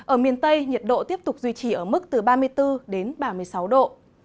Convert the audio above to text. ở miền tây nhiệt độ tiếp tục duy trì ở mức từ ba mươi bốn đến ba mươi sáu độ